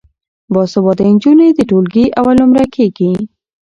باسواده نجونې د ټولګي اول نمره کیږي.